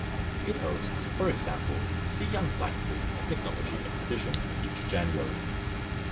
It hosts, for example, the Young Scientist and Technology Exhibition each January.